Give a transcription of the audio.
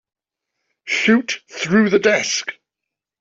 Shoot through the desk.